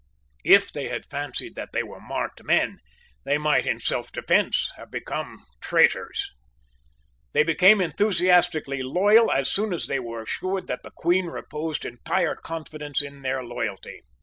If they had fancied that they were marked men, they might in selfdefence have become traitors. They became enthusiastically loyal as soon as they were assured that the Queen reposed entire confidence in their loyalty.